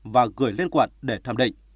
và gửi lên quận để tham định